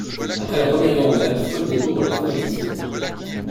Après la Première Guerre mondiale, Freud découvre le traumatisme.